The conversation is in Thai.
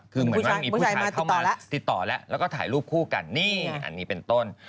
คือเหมือนว่ามีผู้ชายเข้ามาติดต่อแล้วแล้วก็ถ่ายรูปคู่กันนี่อันนี้เป็นต้น